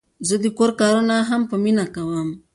زه د کور کارونه هم په مینه کوم.